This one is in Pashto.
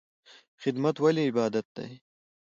خدمت ولې عبادت دی؟